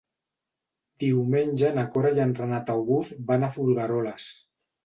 Diumenge na Cora i en Renat August van a Folgueroles.